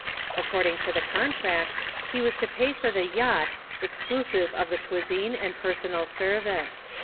According to the contract, he was to pay for the yacht, exclusive of the cuisine and personal service.